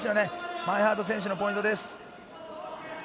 マインハート選手のポイントです。